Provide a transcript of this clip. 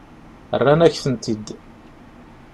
Rran-ak-tent-id.